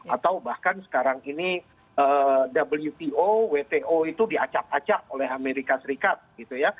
atau bahkan sekarang ini wto itu diacak acak oleh amerika serikat